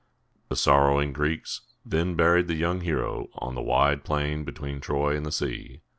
The sorrowing Greeks then buried the young hero on the wide plain between Troy and the sea.